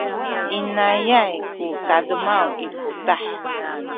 inayay ku tademaw i putah.